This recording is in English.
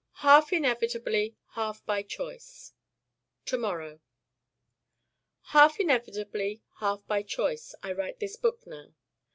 Half inevitably, half by choice To morrow Half inevitably, half by choice, I write this book now.